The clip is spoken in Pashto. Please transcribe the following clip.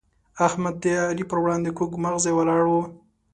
احمد د علي پر وړاندې کوږ مغزی ولاړ وو.